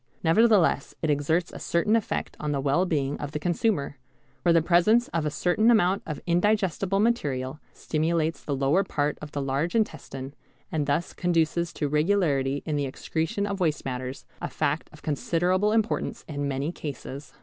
Nevertheless it exerts a certain effect on the well being of the consumer, for the presence of a certain amount of indigestible material stimulates the lower part of the large intestine and thus conduces to regularity in the excretion of waste matters, a fact of considerable importance in many cases.